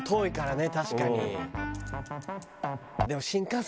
確かに。